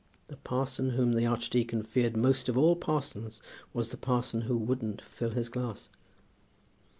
The parson whom the archdeacon feared most of all parsons was the parson who wouldn't fill his glass.